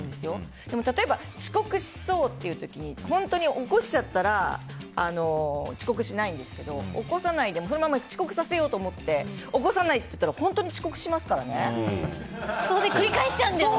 でも例えば遅刻しそうという時に起こしちゃったら遅刻しないんですけど起こさないでそのまま遅刻させようと思って起さないと思ってやったらそこで繰り返しちゃうんだよね。